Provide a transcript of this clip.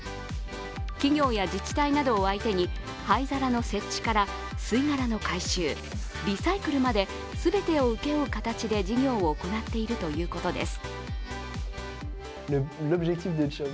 企業や自治体などを相手に、灰皿の設置から吸い殻の回収リサイクルまで全てを請け負う形で事業を行っているということです。